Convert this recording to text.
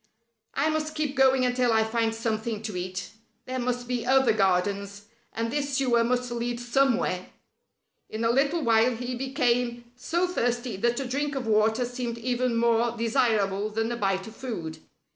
"I must keep going until I find something to eat. There must be other gardens, and this sewer must lead somewhere." In a little while he became so thirsty that a drink of water seemed even more desirable than a bite of food.